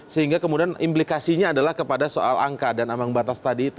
sehingga kemudian implikasinya adalah kepada soal angka dan ambang batas tadi itu